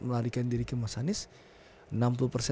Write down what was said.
menyelesaikan ke mas anies